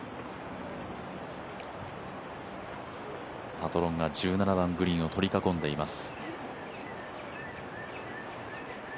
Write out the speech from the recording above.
パトロンが１７番グリーンを取り囲んでいます。